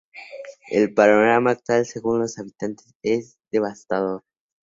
El panorama actual, según los habitantes, es devastador.